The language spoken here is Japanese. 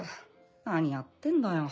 何やってんだよ。